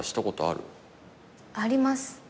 あります。